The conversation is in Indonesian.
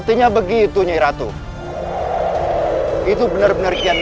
saya akan menjaga kebenaran raden